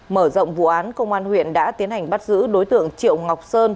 mở rộng vụ án công an huyện đã tiến hành bắt giữ đối tượng triệu ngọc sơn